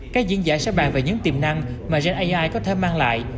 các diễn giả sẽ bàn về những tiềm năng mà gen ai có thể mang lại